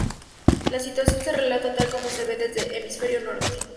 La situación se relata tal como se ve desde Hemisferio norte.